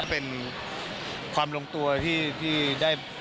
เป็นความลงตัวที่ได้